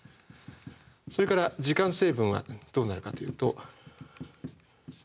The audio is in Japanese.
それから時間成分はどうなるかというと。